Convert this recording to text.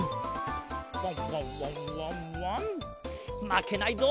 まけないぞ。